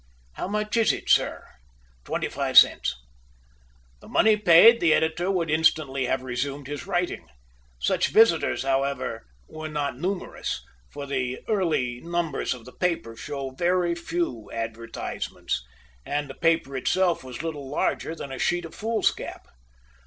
"How much is it, sir?" "Twenty five cents." The money paid, the editor would instantly have resumed his writing. Such visitors, however, were not numerous, for the early numbers of the paper show very few advertisements, and the paper itself was little larger than a sheet of foolscap.